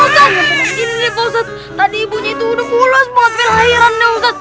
iya ustadz ini deh pak ustadz tadi ibunya itu udah pulas buat perlahiran deh ustadz